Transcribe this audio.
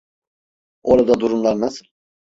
Orada durumlar nasıl?